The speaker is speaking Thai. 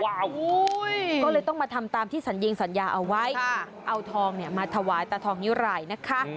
ก็เลยต้องมาทำตามที่สัญญิงสัญญาเอาไว้เอาทองเนี่ยมาถวายตาทองนิ้วรายนะคะ